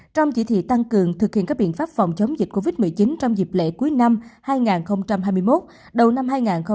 trong chỉ thị tăng cường thực hiện các biện pháp phòng chống dịch covid một mươi chín trong dịp lễ cuối năm hai nghìn hai mươi một đầu năm hai nghìn hai mươi bốn